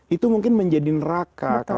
itu mungkin menjadi neraka